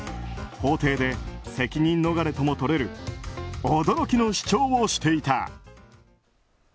法廷で責任逃れとも取れる驚きの主張をしていた。